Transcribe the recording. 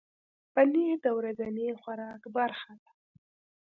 پنېر د ورځني خوراک برخه ده.